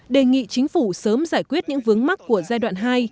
đề nghị chính phủ sớm giải quyết những vướng mắt của giai đoạn hai